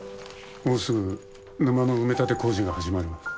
もうすぐ沼の埋め立て工事が始まる。